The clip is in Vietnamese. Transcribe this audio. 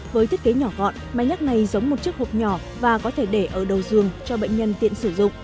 với thiết kế nhỏ gọn máy nhắc này giống một chiếc hộp nhỏ và có thể để ở đầu giường cho bệnh nhân tiện sử dụng